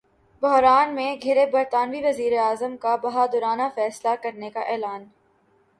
بحران میں گِھرے برطانوی وزیراعظم کا ’بہادرانہ فیصلے‘ کرنے کا اعلان